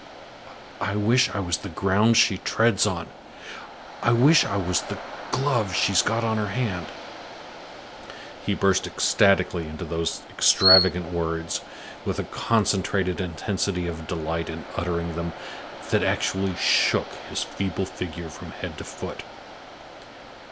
"I wish I was the ground she treads on! I wish I was the glove she's got on her hand!" He burst ecstatically into those extravagant words, with a concentrated intensity of delight in uttering them that actually shook his feeble figure from head to foot.